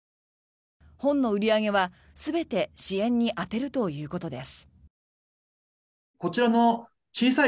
本の売り上げは全て支援に充てるということです。